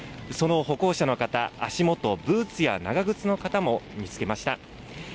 その歩行者の方、足元、ブーツや長靴の方も見つけました。